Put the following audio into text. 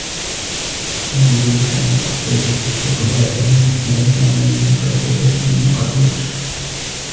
فَهَذِهِ حَالُ الْكُتَّابِ فِي اسْتِقْبَاحِهِمْ إعْجَامِ الْمُكَاتَبَاتِ بِالنُّقَطِ وَالْأَشْكَالِ